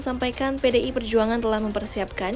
sampaikan pdi perjuangan telah mempersiapkan